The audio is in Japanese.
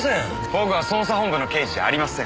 僕は捜査本部の刑事じゃありません。